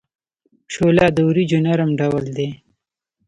شوله د وریجو نرم ډول دی.